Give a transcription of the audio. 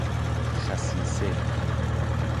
خصیصه